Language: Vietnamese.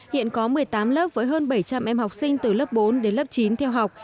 hiện có một mươi tám lớp với hơn bảy trăm linh em học sinh từ lớp bốn đến lớp chín theo học